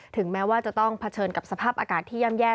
ถึงแม้ว่าจะต้องเผชิญกับสภาพอากาศที่ย่ำแย่